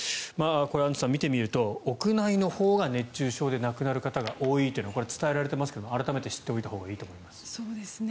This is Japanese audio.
これ、アンジュさん見てみると屋内のほうが熱中症で亡くなる方が多いというのが伝えられていますが改めて知っておいたほうがいいと思います。